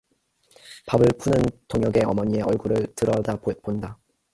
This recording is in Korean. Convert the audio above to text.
밥을 푸는 동혁의 어머니의 얼굴을 들여다본다.